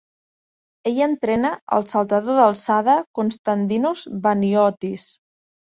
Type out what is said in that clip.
Ella entrena al saltador d'alçada Konstadinos Baniotis.